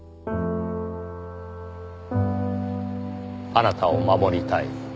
あなたを守りたい。